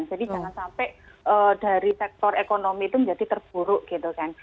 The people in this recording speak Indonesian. jadi jangan sampai dari sektor ekonomi itu menjadi terburuk gitu kan